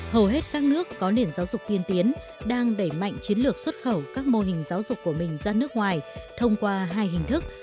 hầu hết các nước có nền giáo dục tiên tiến đang đẩy mạnh chiến lược xuất khẩu các mô hình giáo dục của mình ra nước ngoài thông qua hai hình thức